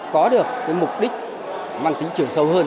có được cái mục đích mang tính trưởng sâu hơn